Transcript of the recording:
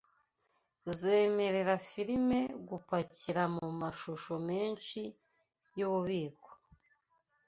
zemerera firime gupakira mumashusho menshi yububiko